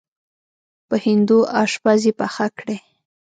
په هندو اشپز یې پخه کړې.